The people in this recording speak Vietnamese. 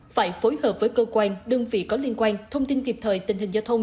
phải phối hợp với cơ quan đơn vị có liên quan thông tin kịp thời tình hình giao thông